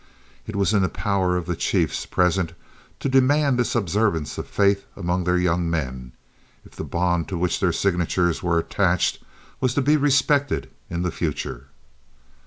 It was in the power of the chiefs present to demand this observance of faith among their young men, if the bond to which their signatures were attached was to be respected in the future.